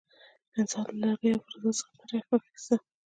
انسان له لرګیو او فلزاتو څخه ګټه واخیسته.